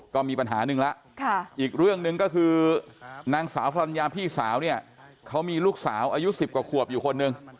ก็มีปัญหาหนึ่งแล้วอีกเรื่องหนึ่งก็คือนางสาวภรรยาพี่สาวเนี่ยเขามีลูกสาวอายุ๑๐กว่าขวบอยู่คนหนึ่ง